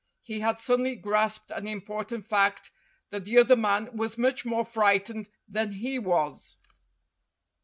He had suddenly grasped an important fact that the other man was much more frightened than he was.